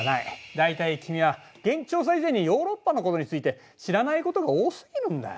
大体君は現地調査以前にヨーロッパのことについて知らないことが多すぎるんだよ。